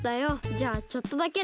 じゃあちょっとだけね。